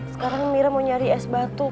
sekarang mira mau nyari es batu